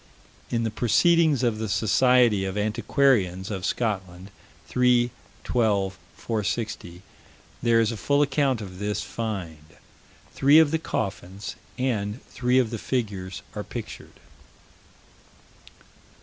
In the Proceedings of the Society of Antiquarians of Scotland, 3 12 460, there is a full account of this find. Three of the coffins and three of the figures are pictured.